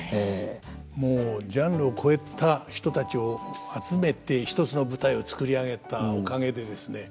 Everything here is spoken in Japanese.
もうジャンルを超えた人たちを集めて一つの舞台を作り上げたおかげでですね